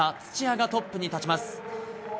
土屋がトップに立ちます。